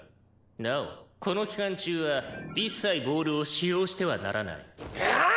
「なおこの期間中は一切ボールを使用してはならない」ああ！？